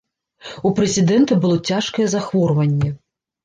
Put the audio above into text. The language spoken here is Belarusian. У прэзідэнта было цяжкае захворванне.